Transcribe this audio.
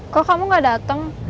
kok kamu gak dateng